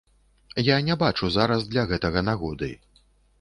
Я не бачу зараз для гэтага нагоды.